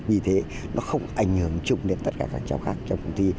vì thế nó không ảnh hưởng trụng đến tất cả các cháu khác trong phòng thi